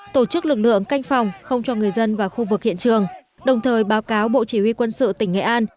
tổ chức lực lượng canh phòng không cho người dân vào khu vực hiện trường đồng thời báo cáo bộ chỉ huy quân sự tỉnh nghệ an